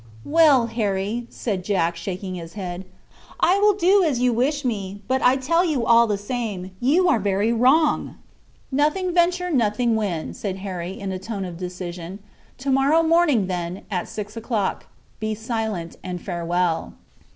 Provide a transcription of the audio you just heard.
"Well, Harry," said Jack, shaking his head, "I will do as you wish me; but I tell you all the same, you are very wrong." "Nothing venture nothing win," said Harry, in a tone of decision. "To morrow morning, then, at six o'clock. Be silent, and farewell!"